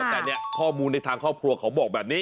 แต่เนี่ยข้อมูลในทางครอบครัวเขาบอกแบบนี้